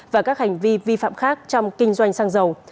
và các hành vi vi phạm khác trong kinh doanh sang giàu